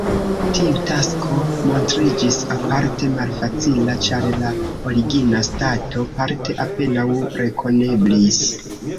Tiu tasko montriĝis aparte malfacila, ĉar la origina stato parte apenaŭ rekoneblis.